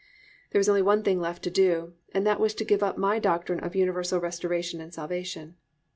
There was only one thing left to do and that was to give up my doctrine of universal restoration and salvation.